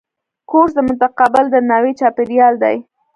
کورس د متقابل درناوي چاپېریال دی.